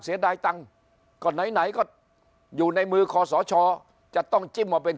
เสียดายตังค์ก็ไหนไหนก็อยู่ในมือคอสชจะต้องจิ้มเอาเป็น